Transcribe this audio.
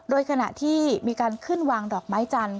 โดยขณะที่มีการขึ้นวางดอกไม้จันท